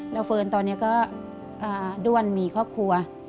แล้วเฟิร์นตอนนี้ก็ด้วนมีครอบครัว